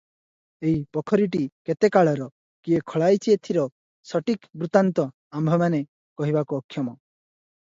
ଏ ପୋଖରୀଟି କେତେକାଳର, କିଏ ଖୋଳାଇଛି ଏଥିର ସଟୀକ ବୃତ୍ତାନ୍ତ ଆମ୍ଭେମାନେ କହିବାକୁ ଅକ୍ଷମ ।